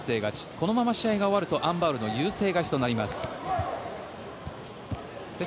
このまま試合が終わるとアン・バウルが優勢勝ちとなります。